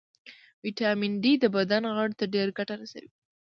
ويټامین ډي د بدن غړو ته ډېره ګټه رسوي